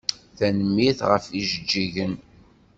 Tanemmirt ɣef ijeǧǧigen.